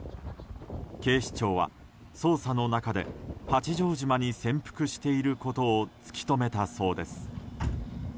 警視庁は、捜査の中で八丈島に潜伏していることを突き止めたそうです。